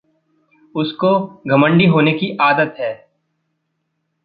उसको घमण्डी होने की आदत है।